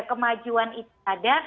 kemajuan itu ada